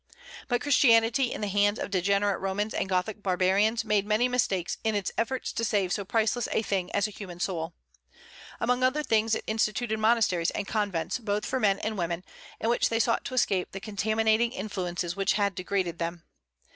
But Christianity in the hands of degenerate Romans and Gothic barbarians made many mistakes in its efforts to save so priceless a thing as a human soul. Among other things, it instituted monasteries and convents, both for men and women, in which they sought to escape the contaminating influences which had degraded them.